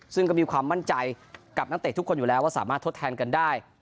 ซึ่งก็มีความมั่นใจกับนักเตะทุกคนอยู่แล้วว่าสามารถทดแทนกันได้